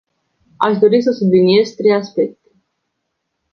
Aș dori să subliniez trei aspecte.